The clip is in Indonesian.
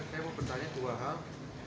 saya mau bertanya dua hal